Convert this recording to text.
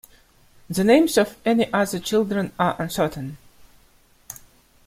The names of any other children are uncertain.